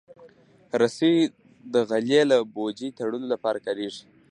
رسۍ د غلې له بوجۍ تړلو لپاره کارېږي.